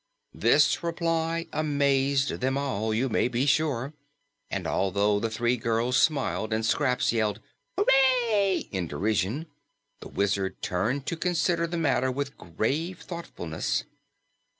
This reply amazed them all, you may be sure, and although the three girls smiled and Scraps yelled "Hoo ray!" in derision, the Wizard turned to consider the matter with grave thoughtfulness.